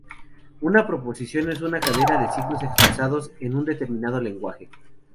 Una proposición es una cadena de signos expresados en un determinado lenguaje.